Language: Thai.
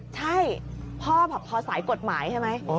ใช่พ่อแบบพอสายกฎหมายใช่ไหม